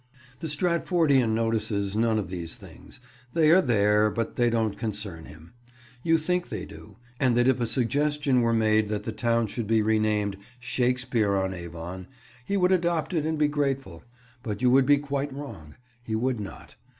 The Stratfordian notices none of these things: they are there, but they don't concern him. You think they do, and that if a suggestion were made that the town should be renamed "Shakespeare on Avon" he would adopt it and be grateful; but you would be quite wrong; he would not.